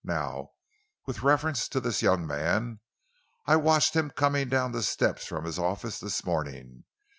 "Now with reference to this young man, I watched him coming down the steps from his office this morning.